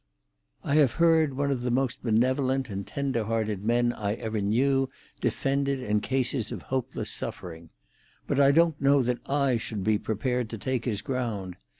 "I have heard one of the most benevolent and tender hearted men I ever knew defend it in cases of hopeless suffering. But I don't know that I should be prepared to take his ground.